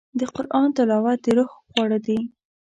د قرآن تلاوت د روح خواړه دي.